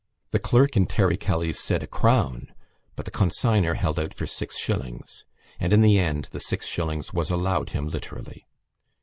The clerk in Terry Kelly's said A crown! but the consignor held out for six shillings; and in the end the six shillings was allowed him literally.